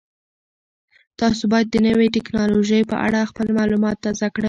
تاسو باید د نوې تکنالوژۍ په اړه خپل معلومات تازه کړئ.